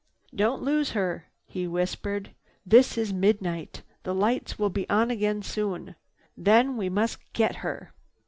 "Don't lose her," he whispered. "This is midnight. The lights will be on again soon. Then we must get her."